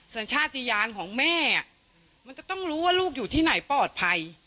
สัญชาติยานของแม่มันจะต้องรู้ว่าลูกอยู่ที่ไหนปลอดภัย